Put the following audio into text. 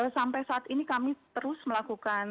sampai saat ini kami terus melakukan